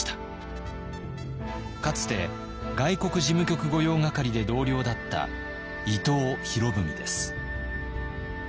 かつて外国事務局御用掛で同僚だった伊藤博文です。